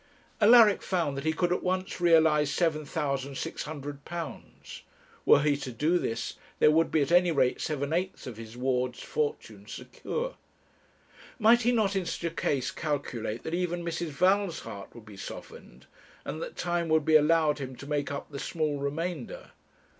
Alaric found that he could at once realize £7,600. Were he to do this, there would be at any rate seven eighths of his ward's fortune secure. Might he not, in such a case, calculate that even Mrs. Val's heart would be softened, and that time would be allowed him to make up the small remainder?